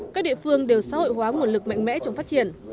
các địa phương đều xã hội hóa nguồn lực mạnh mẽ trong phát triển